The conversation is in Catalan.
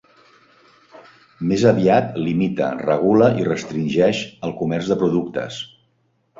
Més aviat, limita, regula i restringeix el comerç de productes.